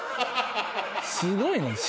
すごいな。